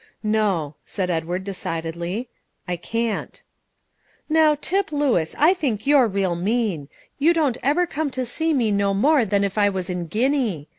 "No," said Edward decidedly, "I can't." "Now, Tip Lewis, I think you're real mean; you don't never come to see me no more than if I was in Guinea.